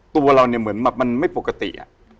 ตัวเราเนี่ยเหมือนแบบมันไม่ปกติ